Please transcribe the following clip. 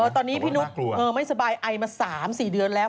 ตอนนี้พี่นุ๊กไม่สบายไอมา๓๔เดือนแล้ว